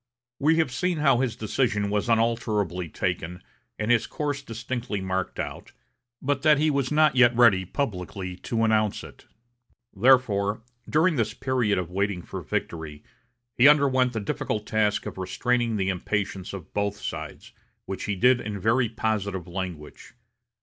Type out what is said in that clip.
We have seen how his decision was unalterably taken and his course distinctly marked out, but that he was not yet ready publicly to announce it. Therefore, during this period of waiting for victory, he underwent the difficult task of restraining the impatience of both sides, which he did in very positive language.